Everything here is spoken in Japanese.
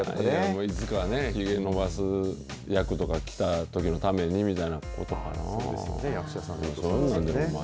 いつかね、ひげ伸ばす役とかきたときのためにということもあるのかな。